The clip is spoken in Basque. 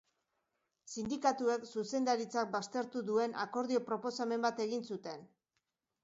Sindikatuek zuzendaritzak baztertu duen akordio proposamen bat egin zuten.